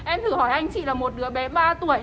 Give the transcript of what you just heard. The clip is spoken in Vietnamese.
em thử hỏi anh chị là một đứa bé ba tuổi